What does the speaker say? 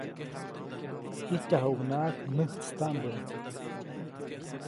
ʼIjtyajuʼuŋnaʼak näjtstaʼmbä.